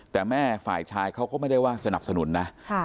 แต่แม่ฝ่ายชายเขาก็ไม่ได้ว่าสนับสนุนนะ